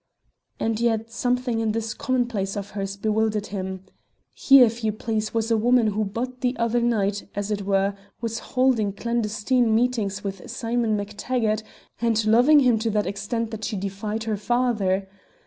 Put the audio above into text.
And yet something in this complacence of hers bewildered him. Here, if you please, was a woman who but the other night (as it were) was holding clandestine meetings with Simon MacTaggart, and loving him to that extent that she defied her father.